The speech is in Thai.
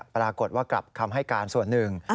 ปรากฏว่ากลับคำให้การส่วนหนึ่ง